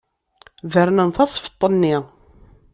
Bernen tasfeḍt-nni.